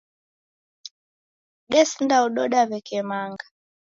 Desindaododa w'eke manga.